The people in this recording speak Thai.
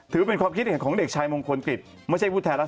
ถือเป็นความคิดเห็นในฐาของเด็กชายมงคลกฤทธิ์ไม่ใช่พูดแท้รัศดร